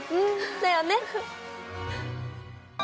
だよね。